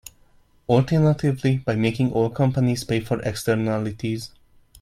Alternatively, by making oil companies pay for externalities.